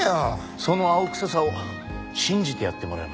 その青臭さを信じてやってもらえませんかね。